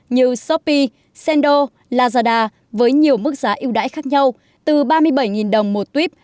như shopee sendo lazada với nhiều mức giá yêu đái khác nhau từ ba mươi bảy đồng một tuyếp